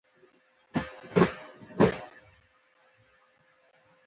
په محکمو کې د خلکو دعوې ژر حل کیږي.